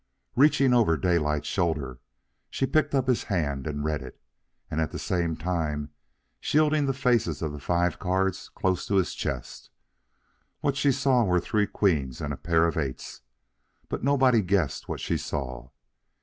Reaching over Daylight's shoulder, she picked up his hand and read it, at the same time shielding the faces of the five cards close to his chest. What she saw were three queens and a pair of eights, but nobody guessed what she saw.